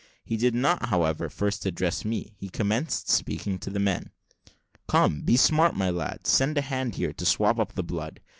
He did not, however, first address me; he commenced speaking to the men. "Come, be smart, my lads; send a hand here to swab up the blood.